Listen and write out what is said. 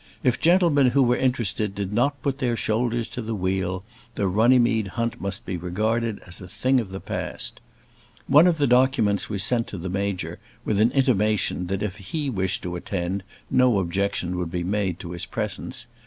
If gentlemen who were interested did not put their shoulders to the wheel, the Runnymede hunt must be regarded as a thing of the past. One of the documents was sent to the Major with an intimation that if he wished to attend no objection would be made to his presence.